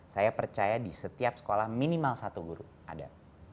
saya percaya di setiap sekolah minimal satu guru ada